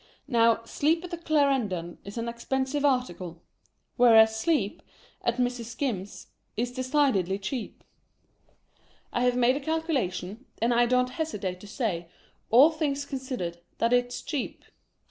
Now, sleep at the Clarendon is an expen sive article; whereas sleep, at Mrs. Skim's, is decidedly cheap. I have made a calculation, and I don't hesitate to say, all things considered, that it's cheap.